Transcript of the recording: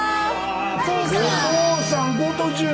お父さん。